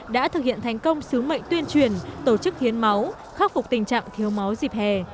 đã thực hiện thành công sứ mệnh tuyên truyền tổ chức hiến máu khắc phục tình trạng thiếu máu dịp hè